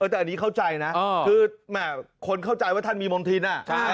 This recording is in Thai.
แต่อันนี้เข้าใจนะคือคนเข้าใจว่าท่านมีมณฑิน